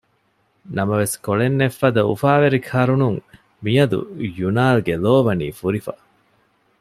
ނަމަވެސް ކޮޅެއް ނެތްފަދަ އުފާވެރި ކަރުނުން މިއަދު ޔުނާލްގެ ލޯ ވަނީ ފުރިފަ